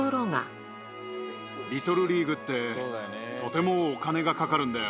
リトルリーグって、とてもお金がかかるんだよ。